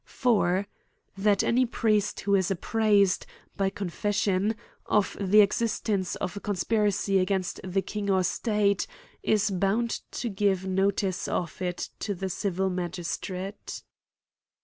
4. That any priest who is apprised, by confes sion, of the existence of a conspiracy against the king or state, is bound to give notice oi' it to the civil magistrate.